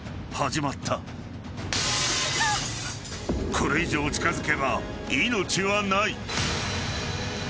［これ以上近づけば命はない］